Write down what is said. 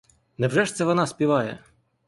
Невже ж це вона співає?